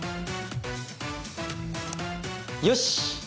よし！